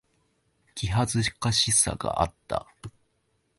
気恥ずかしさがあった。